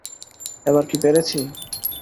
এবার কি পেরেছি?